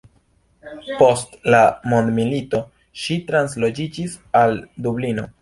Post la mondmilito, ŝi transloĝiĝis al Dublino.